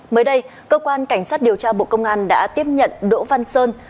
mới đây cơ quan cảnh sát điều tra bộ công an đã tiếp nhận đỗ văn sơn